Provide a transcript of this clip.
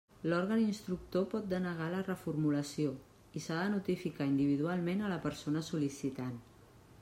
L'òrgan instructor pot denegar la reformulació i s'ha de notificar individualment a la persona sol·licitant.